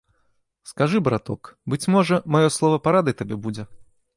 Скажы, браток, быць можа, маё слова парадай табе будзе.